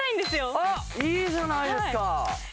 いいじゃないですか。